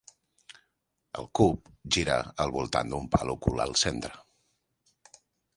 El cub gira al voltant d'un pal ocult al centre.